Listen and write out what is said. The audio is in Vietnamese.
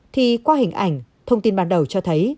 thì qua hình ảnh thông tin ban đầu cho thấy